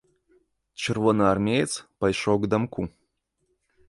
Чырвонаармеец пайшоў к дамку.